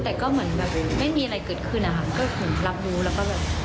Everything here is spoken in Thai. แต่ก็เหมือนแบบไม่มีอะไรเกิดขึ้นนะคะก็เหมือนรับรู้แล้วก็แบบ